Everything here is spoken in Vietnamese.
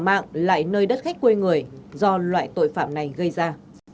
mạng lại nơi đất khách quê người do loại tội phạm này gây ra